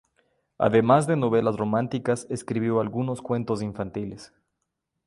Además de novelas románticas escribió algunos cuentos infantiles.